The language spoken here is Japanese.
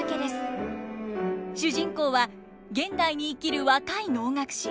主人公は現代に生きる若い能楽師。